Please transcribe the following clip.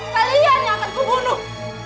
kalian yang akan kubunuh